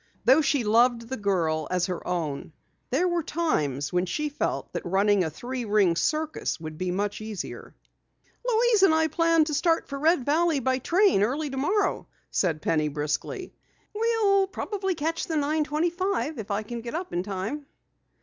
Though she loved the girl as her own, there were times when she felt that running a three ring circus would be much easier. "Louise and I plan to start for Red Valley by train early tomorrow," said Penny briskly. "We'll probably catch the 9:25 if I can get up in time."